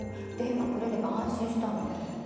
電話くれれば安心したのに。